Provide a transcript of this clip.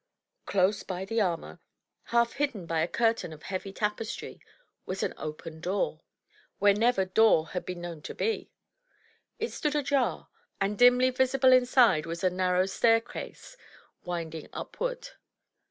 Close by the armor, half hidden by a curtain of heavy tapestry, was an open door, where never door had been known to be. It stood ajar, and dimly visible inside was a narrow staircase wind ing upward.